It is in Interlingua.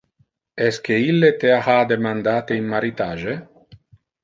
Esque ille te ha demandate in maritage?